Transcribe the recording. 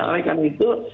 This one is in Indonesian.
karena karena itu